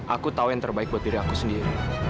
aku tahu yang terbaik buat diri aku sendiri